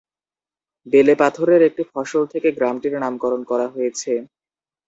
বেলেপাথরের একটি ফসল থেকে গ্রামটির নামকরণ করা হয়েছে।